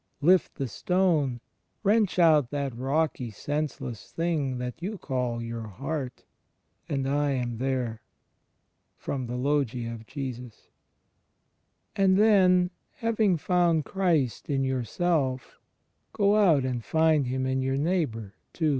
Lift the stone" — wrench out that rocky senseless thing that you call your heart "and I am there." ^ And then, having foimd Christ in yourself, go out and find Him in your neighbour too.